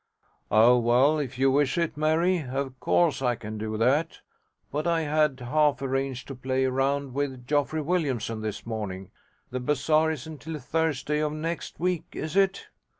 'Oh well, if you wish it, Mary, of course I can do that, but I had half arranged to play a round with Geoffrey Williamson this morning. The bazaar isn't till Thursday of next week, is it?'